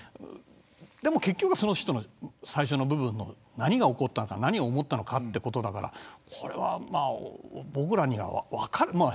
でも結局、最初の部分に何が起こったのか何を思ったのかということだからこれは僕らには分からない。